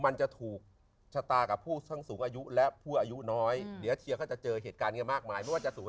มันจะถูกชะตากับผู้ทั้งสูงอายุและผู้อายุน้อยเดี๋ยวเชียร์จะเจอเหตุการณ์นี้มากมาย